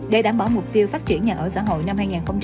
để đảm bảo mục tiêu phát triển nhà ở xã hội năm hai nghìn hai mươi